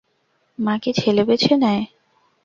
মা কি ছেলে বেছে নেয়?